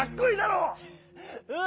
うん！